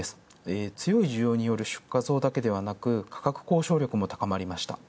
強い需要による出荷増だけでなく価格交渉力も高まりました。